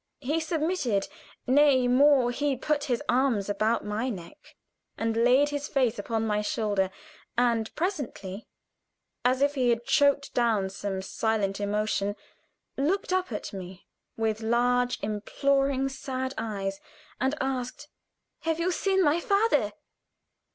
He submitted nay, more, he put his arms about my neck and laid his face upon my shoulder, and presently, as if he had choked down some silent emotion, looked up at me with large, imploring, sad eyes, and asked: "Have you seen my father?"